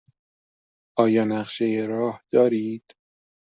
آیا نقشه راه دارید؟